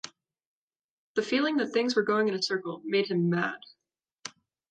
The feeling that things were going in a circle made him mad.